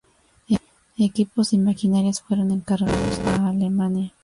Equipos y maquinarias fueron encargados a Alemania.